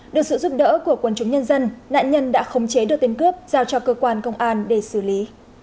được sự giúp đỡ của quân chúng nhân dân nạn nhân đã khống chế được tên cướp giao cho cơ quan công an để xử lý